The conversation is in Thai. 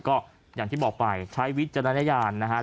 ก็อย่างที่บอกไปใช้วิจารณญาณนะครับ